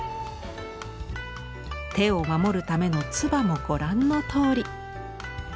手を守るための鐔もご覧のとおり。